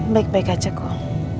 baik baik aja kok